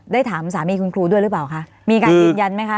ได้ถามสามีคุณครูด้วยหรือเปล่าคะมีการยืนยันไหมคะ